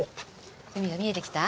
海が見えてきた？